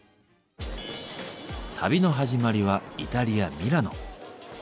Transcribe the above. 旅の始まりはイタリア・ミラノ。